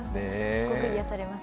すごく癒やされます。